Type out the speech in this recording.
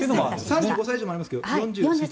３５歳以上のもありますが。